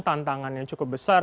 tantangannya cukup besar